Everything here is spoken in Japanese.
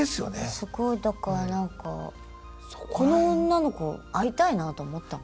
すごいだからなんかこの女の子会いたいなと思ったもん。